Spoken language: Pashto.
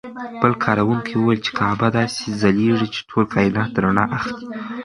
بل کاروونکي وویل چې کعبه داسې ځلېږي چې ټول کاینات رڼا اخلي.